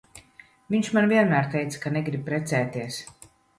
Viņš man vienmēr teica, ka negrib precēties.